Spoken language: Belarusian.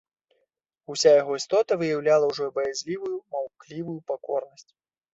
Уся яго істота выяўляла ўжо баязлівую, маўклівую пакорнасць.